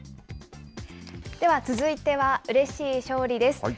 では続いては、うれしい勝利です。